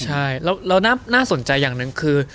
ใช่แล้วน่าสนใจอย่างหนึ่งคือ